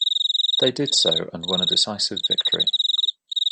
They did so and won a decisive victory.